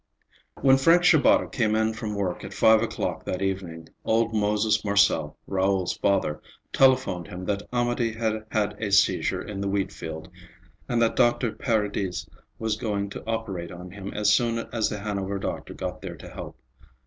V When Frank Shabata came in from work at five o'clock that evening, old Moses Marcel, Raoul's father, telephoned him that Amédée had had a seizure in the wheatfield, and that Doctor Paradis was going to operate on him as soon as the Hanover doctor got there to help.